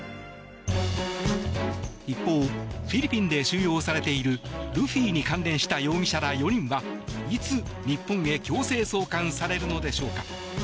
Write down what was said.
一方フィリピンで収容されているルフィに関連した容疑者ら４人はいつ、日本へ強制送還されるのでしょうか。